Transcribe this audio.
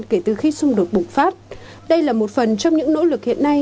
kể từ khi xung đột bùng phát đây là một phần trong những nỗ lực hiện nay